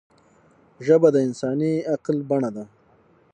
ژبه د انساني عقل بڼه ده